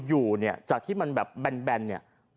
อยู่จากที่แบนเนี่ย